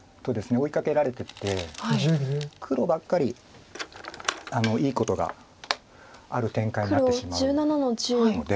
追いかけられてって黒ばっかりいいことがある展開になってしまうので。